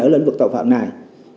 ở lĩnh vực tàu phạm này